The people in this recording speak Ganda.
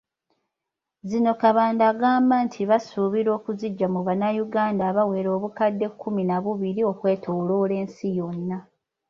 Zino Kabanda agamba nti basuubira okuziggya mu bannayuganda abawera obukadde kkumi na bubiri okwetoloola ensi yonna.